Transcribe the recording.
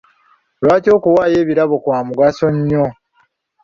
Lwaki okuwaayo ebirabo kwa mugaso nnyo ?